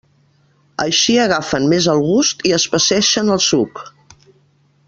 Així agafen més el gust i espesseixen el suc.